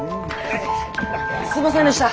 すいませんでした。